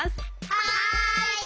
はい！